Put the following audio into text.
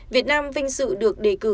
việt nam vinh sự được đề cử